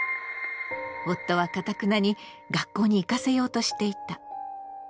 夫はかたくなに学校に行かせようとしていた。